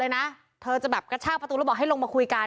นะเธอจะแบบกระชากประตูแล้วบอกให้ลงมาคุยกัน